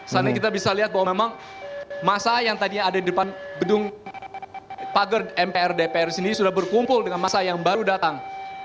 saat ini kita bisa lihat bahwa memang masa yang tadinya ada di depan gedung pagar mpr dpr sendiri sudah berkumpul dengan masa yang baru datang